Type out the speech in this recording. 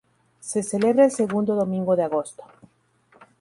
Se celebra el segundo domingo de agosto.